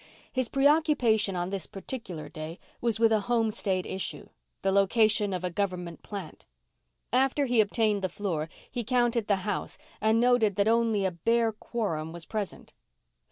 His preoccupation on this particular day was with a home state issue the location of a government plant. After he obtained the floor, he counted the house and noted that only a bare quorum was present.